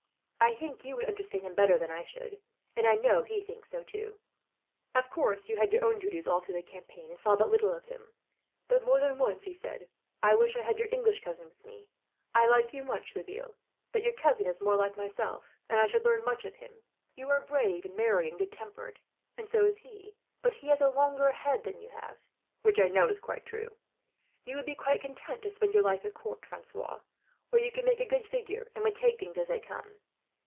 I think you would understand him better than I should, and I know he thinks so, too. Of course, you had your own duties all through the campaign, and saw but little of him; but more than once he said: "'I wish I had your English cousin with me. I like you much, Laville; but your cousin is more like myself, and I should learn much of him. You are brave and merry and good tempered, and so is he; but he has a longer head than you have,' which I know is quite true 'you would be quite content to spend your life at court, Francois; where you would make a good figure, and would take things as they come.